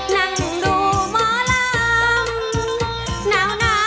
นั่งดูหมอลำหนาวถอดเกลือหนาวหา